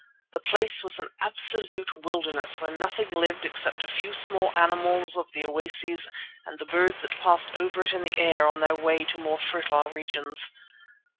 The place was an absolute wilderness where nothing lived except a few small mammals at the oases and the birds that passed over it in the air on their way to more fertile regions.